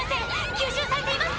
急襲されています！